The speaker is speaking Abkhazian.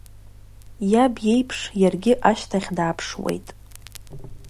Иаб иеиԥш иаргьы ашҭахь дааԥшуеит.